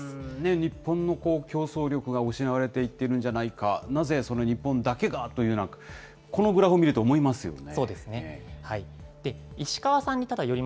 日本の競争力が失われていってるんじゃないか、なぜ日本だけがというような、このグラフを見ると思いますよね。